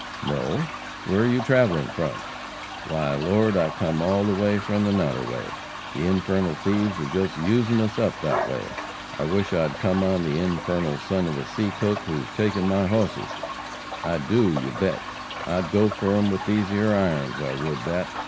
"No. Where are you travelling from?" "Why, Lord, I've come all the way from the Noderway. The infernal thieves are just usin' us up that way. I wish I'd come on the infernal son of a seacook whose taken my hosses. I do, you bet, I'd go fur him with these 'ere irons. I would that!"